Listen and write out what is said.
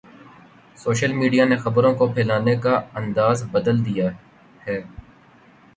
Social media نے خبروں کو پھیلانے کا انداز بدل دیا ہے۔